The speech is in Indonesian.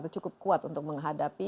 cukup kuat untuk menghadapi